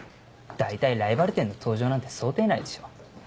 大体ライバル店の登場なんて想定内でしょ。